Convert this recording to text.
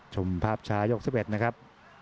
ชมภาพช้ายก๑๑นะครับ